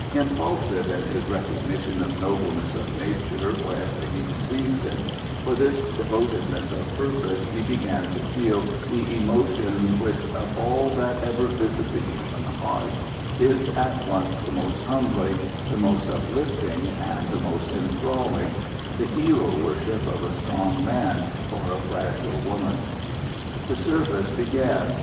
Impulsive in his recognition of nobleness of nature wherever he perceived it, for this devotedness of purpose he began to feel the emotion which of all that ever visit the human heart is at once the most humbling, the most uplifting, and the most enthralling the hero worship of a strong man for a fragile woman. The service began.